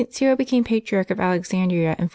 Cyril became Patriarch of Alexandria in 412.